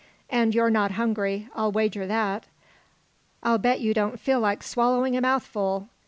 And you're not hungry. I'll wager that. I'll bet you don't feel like swallowing a mouthful.